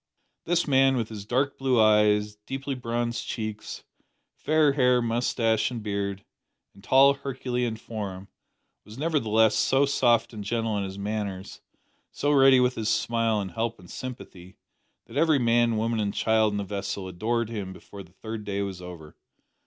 This man, with his dark blue eyes, deeply bronzed cheeks, fair hair, moustache, and beard, and tall herculean form, was nevertheless so soft and gentle in his manners, so ready with his smile and help and sympathy, that every man, woman, and child in the vessel adored him before the third day was over.